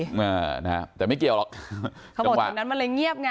อ่านะฮะแต่ไม่เกี่ยวหรอกเขาบอกแถวนั้นมันเลยเงียบไง